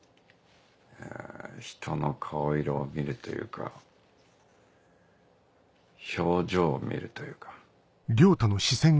ひとの顔色を見るというか表情を見るというか。